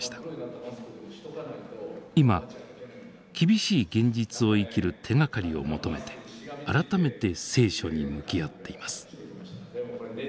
今厳しい現実を生きる手がかりを求めて改めて聖書に向き合っています。